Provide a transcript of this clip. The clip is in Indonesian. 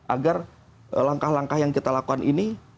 agar langkah langkah yang kita lakukan ini